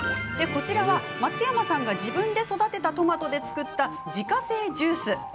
こちらは松山さんが自分で育てたトマトで作った自家製ジュース。